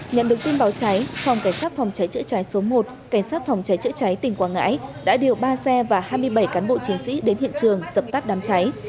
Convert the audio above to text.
nhận được tin báo cháy phòng cảnh sát phòng cháy chữa cháy số một cảnh sát phòng cháy chữa cháy tỉnh quảng ngãi đã điều ba xe và hai mươi bảy cán bộ chiến sĩ đến hiện trường dập tắt đám cháy